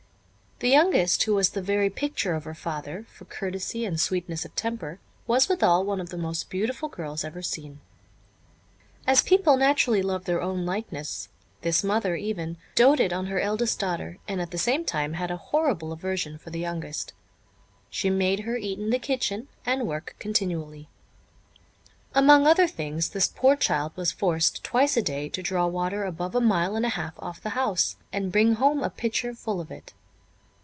The youngest, who was the very picture of her father, for courtesy and sweetness of temper, was withal one of the most beautiful girls ever seen. As people naturally love their own likeness, this mother even doated on her eldest daughter, and at the same time had a horrible aversion for the youngest. She made her eat in the kitchen, and work continually. Among other things, this poor child was forced twice a day to draw water above a mile and a half off the house, and bring home a pitcher full of it.